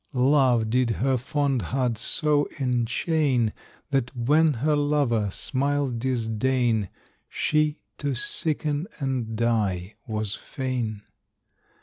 Love did her fond heart so enchain That when her lover smiled disdain, She to sicken and die was fain.